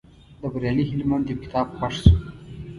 د بریالي هلمند یو کتاب خوښ شو.